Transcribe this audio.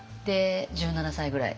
１７歳ぐらい。